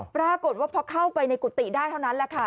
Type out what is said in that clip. ปรากฏว่าพอเข้าไปในกุฏิได้เท่านั้นแหละค่ะ